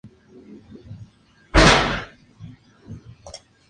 Lucy Boole nunca se casó y vivió con su madre en Notting Hill, Londres.